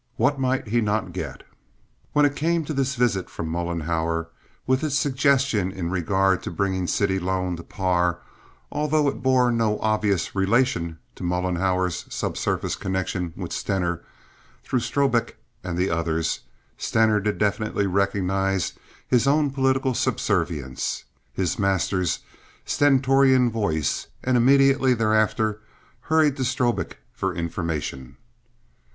What might he not get? When it came to this visit from Mollenhauer, with its suggestion in regard to bringing city loan to par, although it bore no obvious relation to Mollenhauer's subsurface connection with Stener, through Strobik and the others, Stener did definitely recognize his own political subservience—his master's stentorian voice—and immediately thereafter hurried to Strobik for information.